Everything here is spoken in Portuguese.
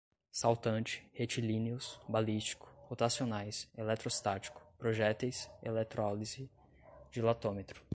saltante, retilíneos, balístico, rotacionais, eletrostático, projéteis, eletrólise, dilatômetro